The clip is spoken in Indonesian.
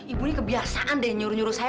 ibu ini kebiasaan deh nyuruh nyuruh saya